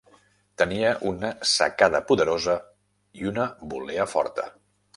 Tenia una sacada poderosa i una volea forta.